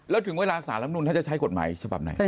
แล้วถึงเวลาสารลำนุนท่านจะใช้กฎหมายฉบับไหน